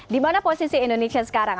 di mana posisi indonesia sekarang